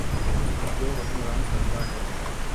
اورجو حکمران طبقہ ہے۔